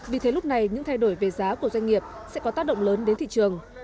vì thế lúc này những thay đổi về giá của doanh nghiệp sẽ có tác động lớn đến thị trường